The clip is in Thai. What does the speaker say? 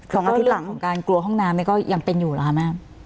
ของอาทิตย์หลังของการกลัวห้องน้ำก็ยังเป็นอยู่เหรอคะแม่